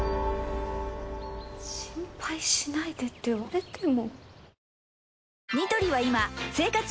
心配しないでって言われても。